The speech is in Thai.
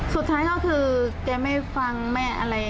สุดท้ายก็คือแกไม่ฟังแม่อะไร